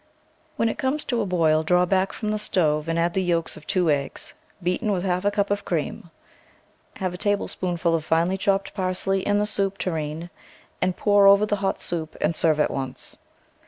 When it comes to a boil, draw back from the stove and add the yolks of two eggs, beaten with half a cup of cream. Have a tablespoonful of finely chopped parsley in the soup tureen and pour over the hot soup and serve at once.